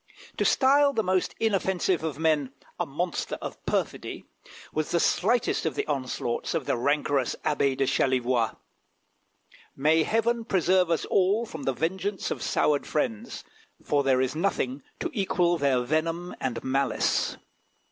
To style the most inoffensive of men "a monster of perfidy" was the slightest of the onslaughts of the rancorous Abbé of Chalivoix. May Heaven preserve us all from the vengeance of soured friends, for there is nothing to equal their venom and malice!